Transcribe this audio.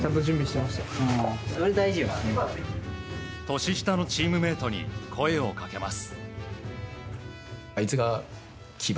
年下のチームメートに声を掛けます。